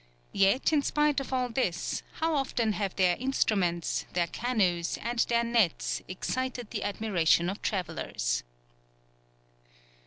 Yet in spite of all this, how often have their instruments, their canoes, and their nets, excited the admiration of travellers.